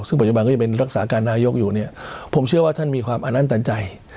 ซึ่งบริษัทการรักษาการนายกอยู่เนี่ยผมเชื่อว่าท่านมีความอนั่นตันใจ